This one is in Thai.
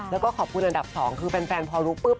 แล้วก็ขอบคุณอันดับ๒คือแฟนพอรู้ปุ๊บ